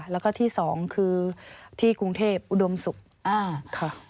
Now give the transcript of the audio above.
แล้วก็ที่สองคือที่กรุงเทพอุดมศุกร์ค่ะ